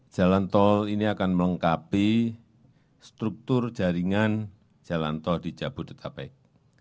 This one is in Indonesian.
jalan tol ini akan melengkapi struktur jaringan jalan tol di jabodetabek